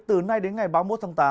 từ nay đến ngày ba mươi một tháng tám